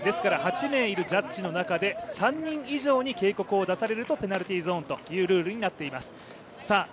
ですから８名いるジャッジの中で３人以上に警告を出されるとペナルティーゾーンというルールになっています。